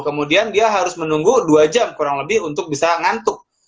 kemudian dia harus menunggu dua jam kurang lebih untuk bisa ngantuk